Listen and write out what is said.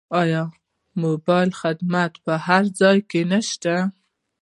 آیا موبایل خدمات په هر ځای کې نشته؟